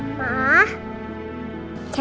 mama jangan tinggalin aku ya